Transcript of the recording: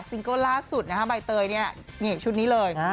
ซิงโก้นล่าสุดใบเตยเนี่ยเหงะชุดนี้เลย